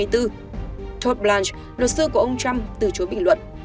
todd blanch luật sư của ông trump từ chối bình luận